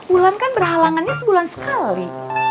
wulan kan berhalangannya sebulan sekali